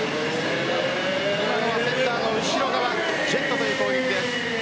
今のはセッターの後ろ側ジェットという攻撃です。